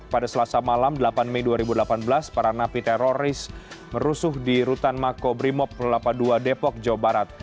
pada selasa malam delapan mei dua ribu delapan belas para napi teroris merusuh di rutan makobrimob kelapa ii depok jawa barat